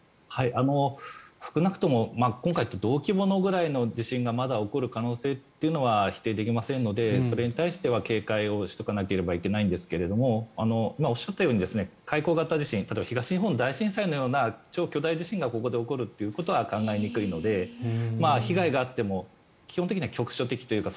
少なくとも今回と同規模ぐらいの地震がまだ起こる可能性はというのは否定できませのでそれに対しては警戒しなければいけませんがおっしゃったように海溝型地震東日本大震災のような超巨大地震がここで起こるということは考えにくいので被害があっても基本的には局所的というか